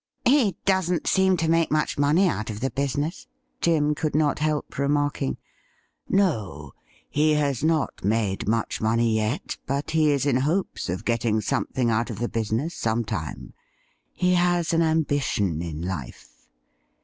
' He doesn't seem to make much money out of the busi ness,' Jim could not help remarking. ' No ; he has not made much money yet, but he is in ^ hopes of getting something out of the business some time. ■' He has an ambition in life.'